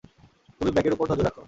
তুমি ব্যাগের উপর নজর রাখো।